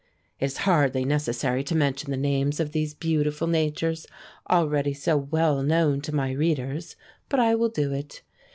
It is hardly necessary to mention the names of these beautiful natures, already so well known to my readers, but I will do it.